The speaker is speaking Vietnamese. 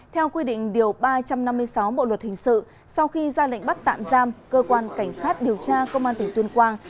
theo quy định điều ba trăm năm mươi sáu bộ luật hình sự sau khi ra lệnh bắt tạm giam cơ quan cảnh sát điều tra công an tỉnh tuyên quang